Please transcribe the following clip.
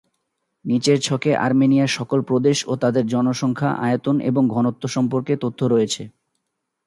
নিচের ছকে আর্মেনিয়ার সকল প্রদেশ ও তাদের জনসংখ্যা, আয়তন এবং ঘনত্ব সম্পর্কে তথ্য রয়েছে।